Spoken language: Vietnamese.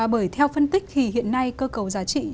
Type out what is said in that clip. bởi theo phân tích thì hiện nay cơ cầu giá trị